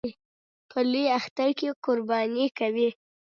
په لوی اختر کې قرباني کوي